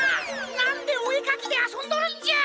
なんでおえかきであそんどるんじゃ！